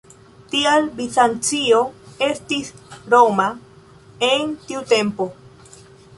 Tial Bizancio estis "Roma" en tiu tempo.